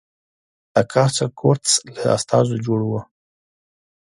د کاسټیل کورتس له استازو جوړ و.